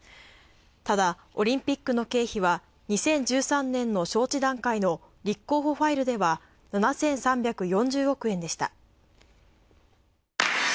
ただ、オリンピックの経費は２０１３の招致段階の立候補ファイルでは７３４０億円でした。